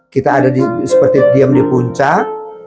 kita ada seperti diam di puncak